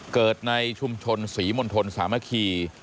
เกิดในชุมชนศรีมนธนสามะคี